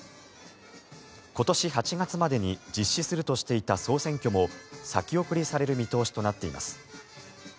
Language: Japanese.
今年８月までに実施するとしていた総選挙も先送りされる見通しとなっています。